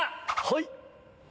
はい！